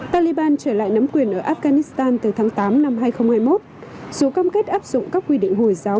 taliban trở lại nắm quyền ở afghanistan từ tháng tám năm hai nghìn hai mươi một dù cam kết áp dụng các quy định hồi giáo